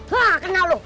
hah kena lo